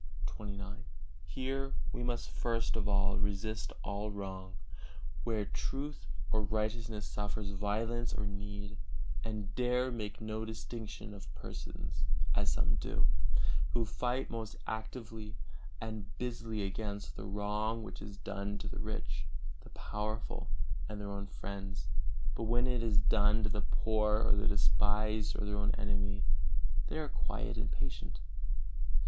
XXIX. Here we must first of all resist all wrong, where truth or righteousness suffers violence or need, and dare make no distinction of persons, as some do, who fight most actively and busily against the wrong which is done to the rich, the powerful, and their own friends; but when it is done to the poor, or the despised or their own enemy, they are quiet and patient.